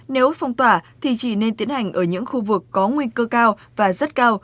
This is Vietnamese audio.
nếu phong tỏa thì chỉ nên tiến hành ở những khu vực có nguy cơ cao và rất cao